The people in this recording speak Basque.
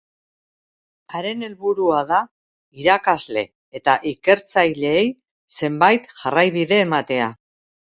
Haren helburua da irakasle eta ikertzaileei zenbait jarraibide ematea.